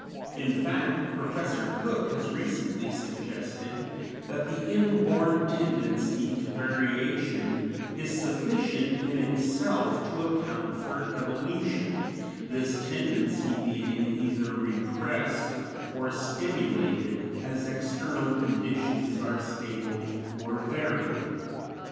In fact, Professor Cook has recently suggested that the inborn tendency to variation is sufficient in itself to account for evolution, this tendency being either repressed or stimulated as external conditions are stable or variable.